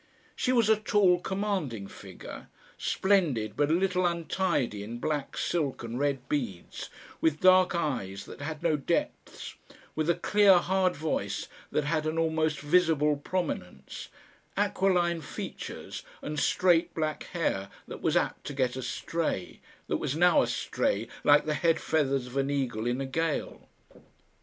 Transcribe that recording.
She was a tall commanding figure, splendid but a little untidy in black silk and red beads, with dark eyes that had no depths, with a clear hard voice that had an almost visible prominence, aquiline features and straight black hair that was apt to get astray, that was now astray like the head feathers of an eagle in a gale.